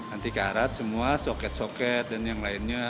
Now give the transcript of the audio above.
anti karat semua soket soket dan yang lainnya